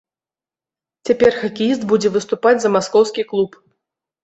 Цяпер хакеіст будзе выступаць за маскоўскі клуб.